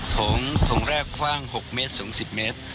โถงแรกคว่าง๖เมตรโถงที่๑๐เมตร